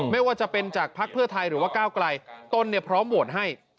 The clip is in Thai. ไม่ว่าจะเป็นจากพักภูมิไทยหรือว่าก้าวกลายต้นพร้อมโหวนให้